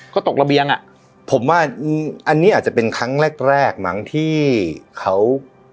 ก็ตกระเบียงอ่ะผมว่าอันนี้อาจจะเป็นครั้งแรกแรกมั้งที่เขา